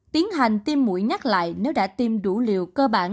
tiến hành tiêm mũi nhắc lại nếu đã tiêm đủ liều cơ bản